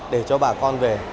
để cho bà con về